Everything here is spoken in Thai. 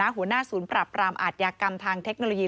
หลุงปรับรามอาทยากรรมทางเทคโนโลยี